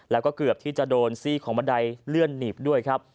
แล้วก็เกือบที่จะโดนซี่ของบันไดเลื่อนหนีบด้วยครับ